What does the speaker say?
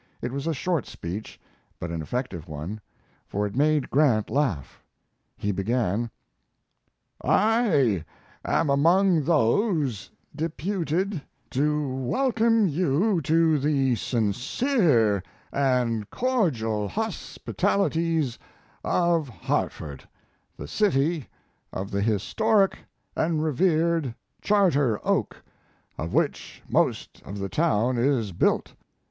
It was a short speech but an effective one, for it made Grant laugh. He began: "I am among those deputed to welcome you to the sincere and cordial hospitalities of Hartford, the city of the historic and revered Charter Oak, of which most of the town is built."